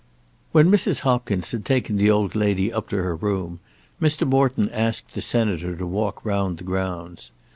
When Mrs. Hopkins had taken the old lady up to her room Mr. Morton asked the Senator to walk round the grounds.